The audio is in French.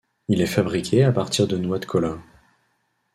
Il est fabriqué à partir de noix de kola.